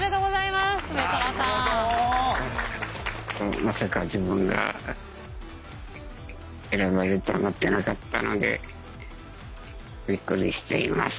まさか自分が選ばれると思ってなかったのでびっくりしています。